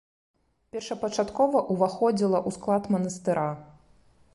Першапачаткова ўваходзіла ў склад манастыра.